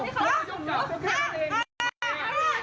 ไว้บ่อยกันกันใหม่